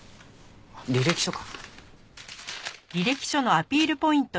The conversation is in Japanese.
履歴書か。